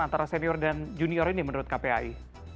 antara senior dan junior ini menurut kpai